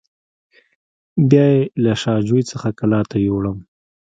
بیا یې له شا جوی څخه کلات ته یووړم.